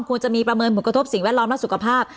ควรจะมีประเมินผลกระทบสิ่งแวดล้อมและสุขภาพ